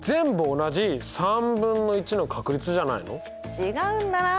違うんだなあ。